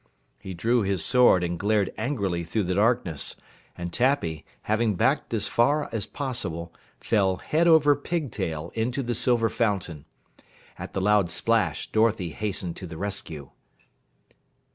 He drew his sword and glared angrily through the darkness, and Tappy, having backed as far as possible, fell heels over pigtail into the silver fountain. At the loud splash, Dorothy hastened to the rescue.